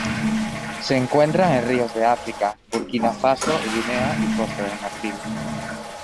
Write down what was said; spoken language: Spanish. Se encuentran en ríos de África: Burkina Faso, Guinea y Costa de Marfil.